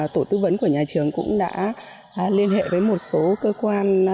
tổ tư vấn của nhà trường cũng đã liên hệ với một số cơ quan